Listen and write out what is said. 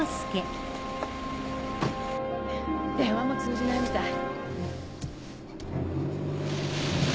電話も通じないみたい。